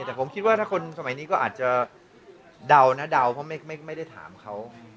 แต่ผมคิดว่าถ้าคนสมัยนี้ก็อาจจะเดานะเดาเพราะไม่ได้ถามเขา